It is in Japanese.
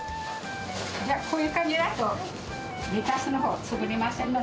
じゃあ、こういう感じだと、レタスのほう、潰れませんので。